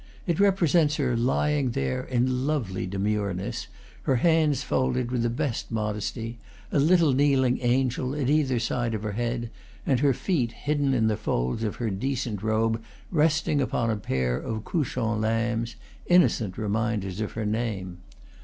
It represents her lying there in lovely demureness, her hands folded with the best modesty, a little kneeling angel at either side of her head, and her feet, hidden in the folds of her decent robe, resting upon a pair of couchant lambs, innocent reminders of her name.